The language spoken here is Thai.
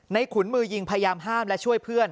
ขุนมือยิงพยายามห้ามและช่วยเพื่อน